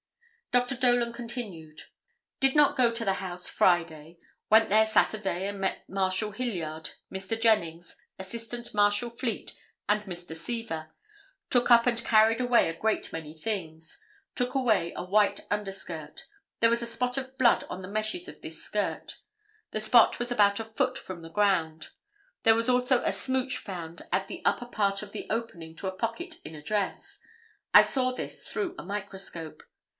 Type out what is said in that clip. Dr. Dolan continued: "Did not go to the house Friday; went there Saturday and met Marshal Hilliard, Mr. Jennings, Assistant Marshal Fleet and Mr. Seaver; took up and carried away a great many things; took away a white underskirt; there was a spot of blood on the meshes of this skirt; the spot was about a foot from the ground. There was also a smooch found at the upper part of the opening to a pocket in a dress. I saw this through a microscope.